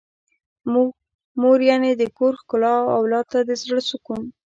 مور يعنې د کور ښکلا او اولاد ته د زړه سکون.